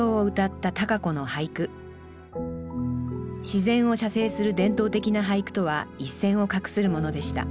自然を写生する伝統的な俳句とは一線を画するものでした。